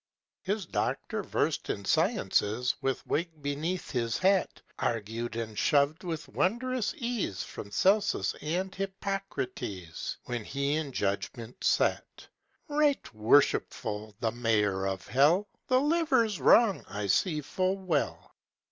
His doctor, versed in sciences, With wig beneath his hat, Argued and showed with wondrous ease, From Celsus and Hippocrates, When he in judgment sat, "Right worshipful the mayor of hell, The liver's wrong, I see full well."